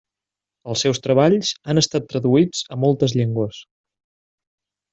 Els seus treballs han estat traduïts a moltes llengües.